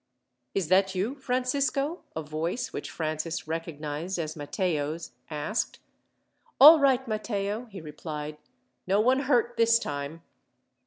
"Is that you, Francisco?" a voice, which Francis recognized as Matteo's, asked. "All right, Matteo!" he replied. "No one hurt this time."